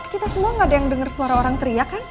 kita semua gak ada yang denger suara orang teriak kan